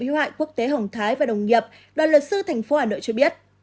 hiệu hại quốc tế hồng thái và đồng nghiệp đoàn lợt sư thành phố hà nội cho biết